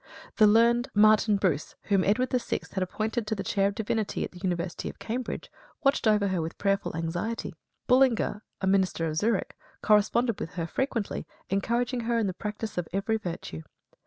The learned Martin Bruce, whom Edward VI. had appointed to the chair of divinity at the University of Cambridge, watched over her with prayerful anxiety. Bullinger, a minister of Zurich, corresponded with her frequently, encouraging her in the practice of every virtue.